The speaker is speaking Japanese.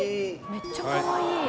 めっちゃかわいい。